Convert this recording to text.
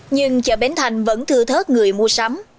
nhưng chợ bến thành vẫn thư thớt người mua sắm